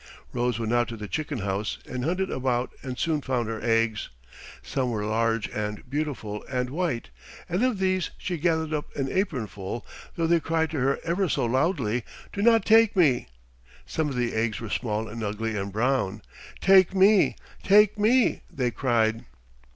Rose went out to the chicken house and hunted about and soon found the eggs. Some were large and beautiful and white, and of these she gathered up an apronful, though they cried to her ever so loudly, "Do not take me." Some of the eggs were small and ugly and brown. "Take me! Take me!" they cried.